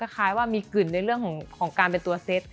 คล้ายว่ามีกลิ่นในเรื่องของการเป็นตัวเซ็ต